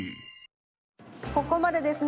ここまでですね